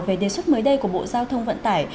về đề xuất mới đây của bộ giao thông vận tải